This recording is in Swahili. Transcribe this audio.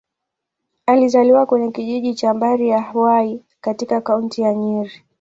Alizaliwa kwenye kijiji cha Mbari-ya-Hwai, katika Kaunti ya Nyeri.